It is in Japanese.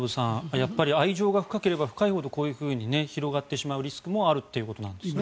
やっぱり愛情が深ければ深いほどこうやって広がってしまうリスクもあるということなんですね。